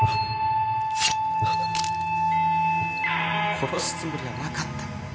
殺すつもりはなかった。